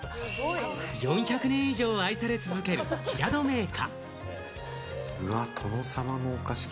４００年以上、愛され続ける平戸銘菓。